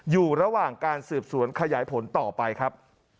อยู่ระหว่างการสืบสวนขยายผลต่อไปครับ